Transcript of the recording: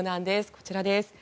こちらです。